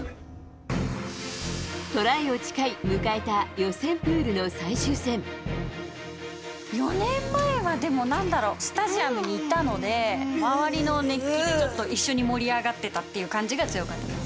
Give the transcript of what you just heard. トライを誓い、４年前はでも、なんだろう、スタジアムにいたので周りの熱気でちょっと一緒に盛り上がってたっていう感じが強かったです。